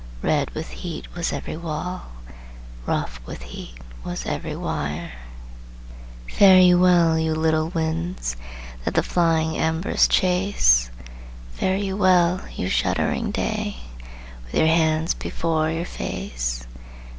Red with heat was every wall, Rough with heat was every wire "Fare you well, you little winds That the flying embers chase! Fare you well, you shuddering day, With your hands before your face!